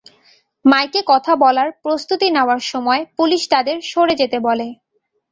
মাইকে কথা বলার প্রস্তুতি নেওয়ার সময় পুলিশ তাঁদের সরে যেতে বলে।